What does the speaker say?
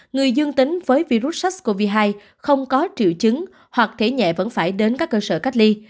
người dương tính với virus sars cov hai không có triệu chứng hoặc thế nhẹ vẫn phải đến các cơ sở cách ly